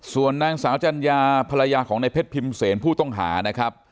ส่วนนางสาวจัญญาภรรยาของในเพชรพิมพ์เสนผู้ต้องหานะครับ